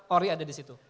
ori ada disitu